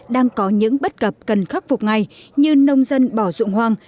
đang có những bất cập cần khắc phục ngay như nông dân bỏ dụng hoang